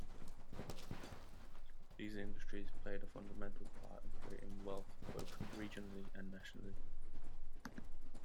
These industries played a fundamental part in creating wealth both regionally and nationally.